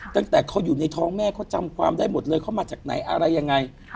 ตั้งแต่เขาอยู่ในท้องแม่เขาจำความได้หมดเลยเขามาจากไหนอะไรยังไง